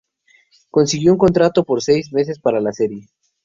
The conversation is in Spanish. Consiguió un contrato por seis meses para la serie.